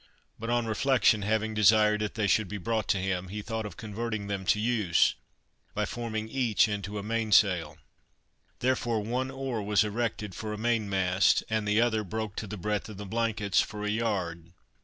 But on reflection having desired that they should be brought to him, he thought of converting them to use, by forming each into a main sail. Therefore, one oar was erected for a main mast, and the other broke to the breadth of the blankets for a yard.